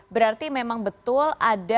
berarti memang betul